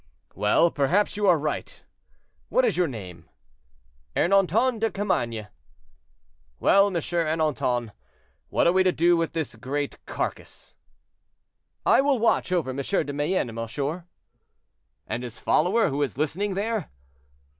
"Well, perhaps you are right. What is your name?" "Ernanton de Carmainges." "Well, M. Ernanton, what are we to do with this great carcase?" "I will watch over M. de Mayenne, monsieur." "And his follower, who is listening there?"